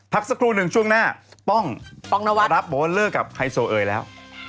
พักสักครู่หนึ่งช่วงหน้าป้องนวัดรับบอกว่าเลิกกับไฮโซเอยแล้ว